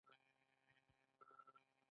د الوویرا کښت ګټور دی؟